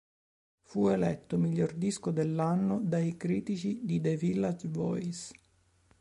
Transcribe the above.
Fu eletto miglior disco dell'anno dai critici di "The Village Voice".